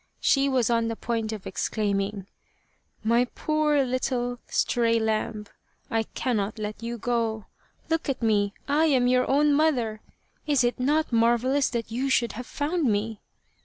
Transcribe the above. She was on the point of exclaiming :" My poor little stray lamb ! I cannot let you go ! Look at me, I am your own mother ! Is it not marvel lous that you should have found me